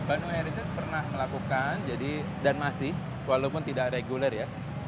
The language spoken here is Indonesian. bandung heritage pernah melakukan dan masih walaupun tidak reguler ya